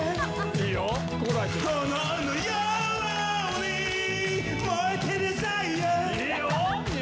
いいよ！